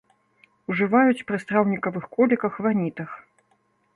Ужываюць пры страўнікавых коліках, ванітах.